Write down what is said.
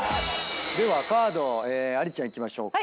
ではカードをありちゃんいきましょうか。